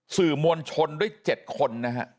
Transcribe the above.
สื่อมวลชนด้วยเจ็ดคน